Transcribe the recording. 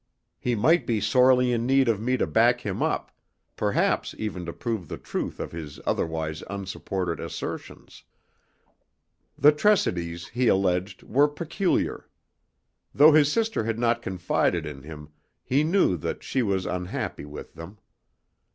He might be sorely in need of me to back him up perhaps even to prove the truth of his otherwise unsupported assertions. The Tressidys, he alleged, were peculiar. Though his sister had not confided in him, he knew that she was unhappy with them.